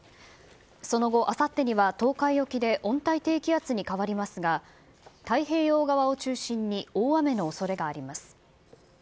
その後、あさってには東海沖で温帯低気圧に変わりますが、太平洋側を中心に大雨のおそれがあります。